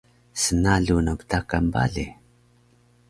snalu na btakan bale